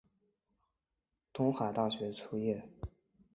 东海大学卒业。